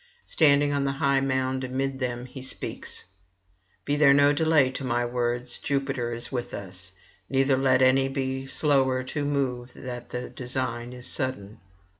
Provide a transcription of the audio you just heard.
Standing on the high mound amid them, he speaks: 'Be there no delay to my words; Jupiter is with us; neither let any be slower to move that the design is sudden.